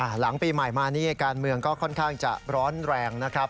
หลังปีใหม่มานี่การเมืองก็ค่อนข้างจะร้อนแรงนะครับ